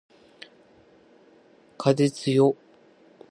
風つよ